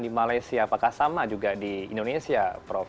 di malaysia apakah sama juga di indonesia prof